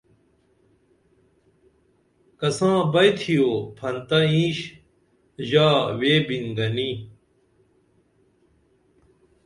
کساں بئی تھیو پھنتہ اینش ژا ویبِن گنی